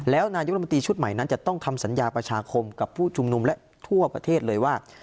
แล้วนายกรรมตรีชุดใหม่นั้นจะต้องทำสัญญาประชาคมกับผู้ชุมนุมและทั่วประเทศเลยว่า